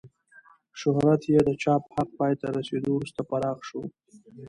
شهرت یې د چاپ حق پای ته رسېدو وروسته پراخ شو.